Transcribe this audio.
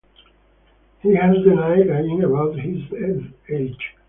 He has denied lying about his age.